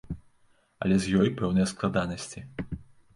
Але з ёй пэўныя складанасці.